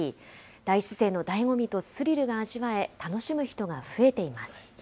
大自然のだいご味とスリルが味わえ、楽しむ人が増えています。